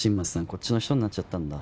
こっちの人になっちゃったんだ